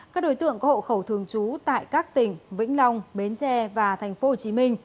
các đối tượng có hộ khẩu thường trú tại các tỉnh vĩnh long bến tre và tp hcm